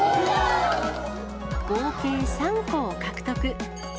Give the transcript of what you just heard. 合計３個を獲得。